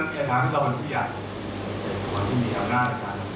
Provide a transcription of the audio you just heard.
การเช็คต้องมีส่วนบ้าวะผู้ชอบในเรื่องแบบนี้ด้วยไม่ว่ามันเกิดขึ้นที่ไหนนะครับ